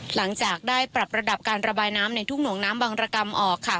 หลังจากได้ปรับระดับการระบายน้ำในทุ่งหน่วงน้ำบังรกรรมออกค่ะ